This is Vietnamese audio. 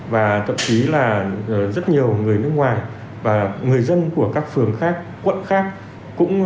và thậm chí là rất nhiều người nước ngoài và người dân của các phường khác quận khác cũng